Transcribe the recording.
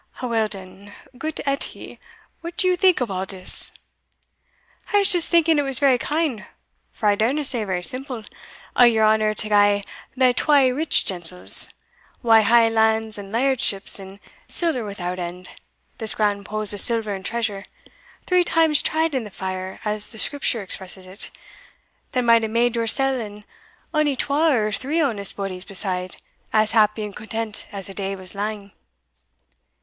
"Awell den, goot Edie, what do you think of all dis?" "I was just thinking it was very kind (for I darena say very simple) o' your honour to gie thae twa rich gentles, wha hae lands and lairdships, and siller without end, this grand pose o' silver and treasure (three times tried in the fire, as the Scripture expresses it), that might hae made yoursell and ony twa or three honest bodies beside, as happy and content as the day was lang."